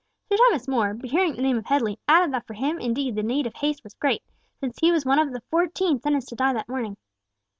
Sir Thomas More, hearing the name of Headley, added that for him indeed the need of haste was great, since he was one of the fourteen sentenced to die that morning.